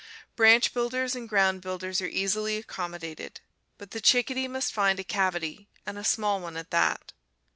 Branch builders and ground builders are easily accommodated, but the chickadee must find a cavity, and a small one at that.